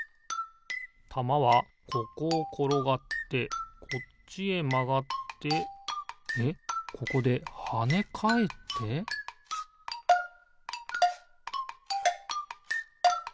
たまはここをころがってこっちへまがってえっここではねかえってピッ！